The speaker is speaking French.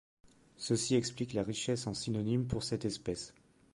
Ceci explique la richesse en synonymes pour cette espèce.